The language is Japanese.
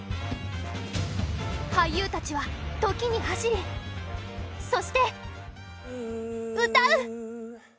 俳優たちはときに走りそして歌う。